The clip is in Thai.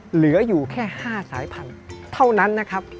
เหลืออยู่แค่๕สายพันธุ์เท่านั้นนะครับ